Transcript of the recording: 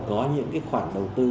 có những cái khoản đầu tư